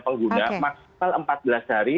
pengguna maksimal empat belas hari